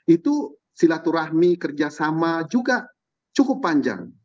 itu silaturahmi kerjasama juga cukup panjang